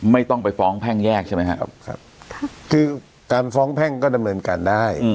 ไม่ต้องไปฟ้องแพ่งแยกใช่ไหมครับครับคือการฟ้องแพ่งก็ดำเนินการได้